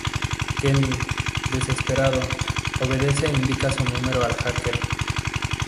Kenny, desesperado, obedece e indica su número al hacker.